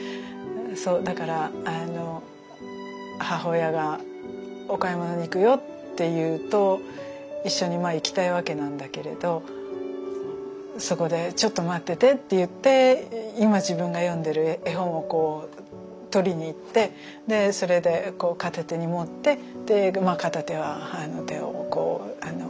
そうだから母親がお買い物に行くよって言うと一緒に行きたいわけなんだけれどそこでちょっと待っててって言って今自分が読んでる絵本をこう取りに行ってそれで片手に持って片手は手をつないでっていう。